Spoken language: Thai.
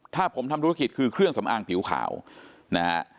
ถ้าผมทำธุรกิจคือเครื่องสำอางผิวขาวนะฮะ